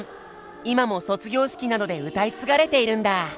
今も卒業式などで歌い継がれているんだ！